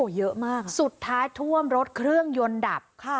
เยอะมากสุดท้ายท่วมรถเครื่องยนต์ดับค่ะ